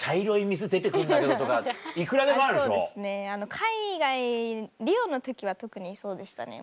海外リオの時は特にそうでしたね。